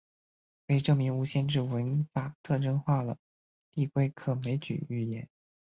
可以证明无限制文法特征化了递归可枚举语言。